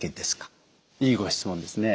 いいご質問ですね。